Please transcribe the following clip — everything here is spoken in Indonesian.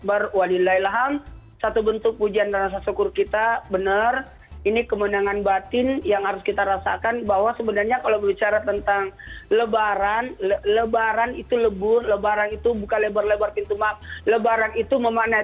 baik bismillahirrahmanirrahim assalamualaikum warahmatullahi wabarakatuh